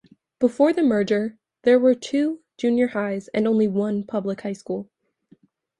Before the merger there were two junior highs and only one public high school.